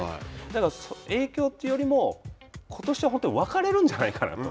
だから、影響というよりもことしは本当に分かれるんじゃないかと。